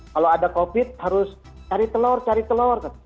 kalau ada covid harus cari telur cari telur